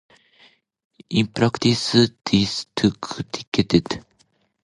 In practice, this took decades.